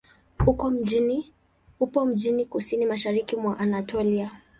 Upo mjini kusini-mashariki mwa Anatolia.